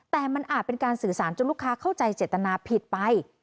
แต่มันอาจเป็นการสื่อสารจนลูกค้าเข้าใจเจตนาผิดไป